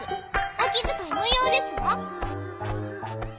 お気遣い無用ですわ。